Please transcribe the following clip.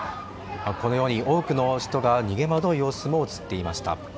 このように多くの人が逃げ惑う様子も映っていました。